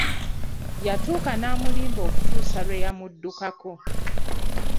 Yatuuka n'amulimba okutuusa lwe yamuddukako.